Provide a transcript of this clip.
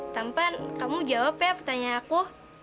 tampan kamu jawab ya pertanyaan aku